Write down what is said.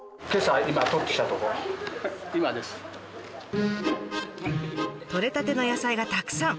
取れたての野菜がたくさん！